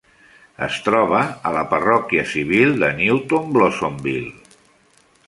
Es troba a la parròquia civil de Newton Blossomville.